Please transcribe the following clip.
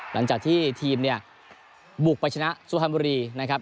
หลังจากที่ทีมเนี่ยบุกไปชนะสุพรรณบุรีนะครับ